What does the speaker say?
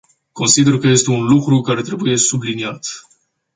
Consider că este un lucru care trebuie subliniat.